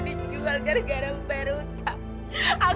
dijualkan gara gara bayar hutang